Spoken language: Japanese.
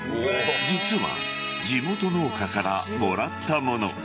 実は地元農家からもらったもの。